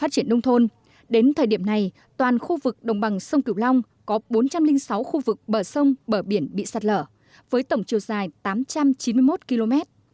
đến thời điểm này toàn khu vực đồng bằng sông cửu long có bốn trăm linh sáu khu vực bờ sông bờ biển bị sạt lở với tổng chiều dài tám trăm chín mươi một km